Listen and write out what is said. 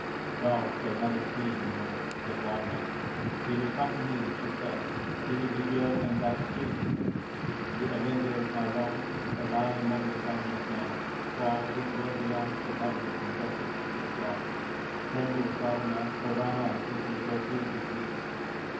" Thou shalt never see him more," said Ravana. " He will come to me," she said. " He will be here and that soon, the Avenger of my wrongs a Lion among the sons of men ! For this world belongs to Heaven, and Justice is its Law. Tremble, Ravana, for Rama is in pursuit of thee.